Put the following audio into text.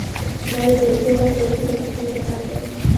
دا د دولتي او غیر دولتي بنسټونو لپاره دی.